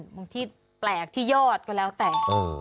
บางที่แปลกที่ยอดก็แล้วแต่